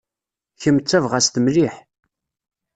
Kemm d tabɣast mliḥ.